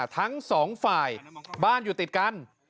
ทั้งสองฝ่ายบ้านอยู่ติดกัน